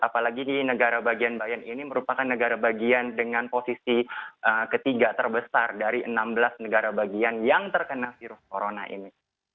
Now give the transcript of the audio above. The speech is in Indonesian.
apalagi di negara bagian bayan ini merupakan negara bagian dengan posisi ketiga terbesar dari enam belas negara bagian yang terkena virus corona ini